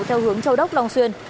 theo hướng châu đốc long xuyên